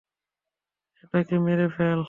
এটাকে মেরে ফেল!